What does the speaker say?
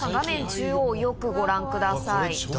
中央よくご覧ください。